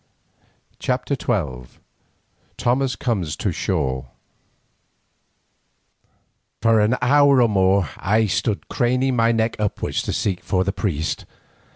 CHAPTER XII THOMAS COMES TO SHORE For an hour or more I stood thus craning my neck upwards to seek for the priest.